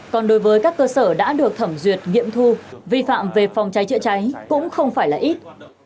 còn đối với các cơ sở đã được thẩm duyệt nghiệm thu vi phạm về phòng cháy chữa cháy cũng không phải là ít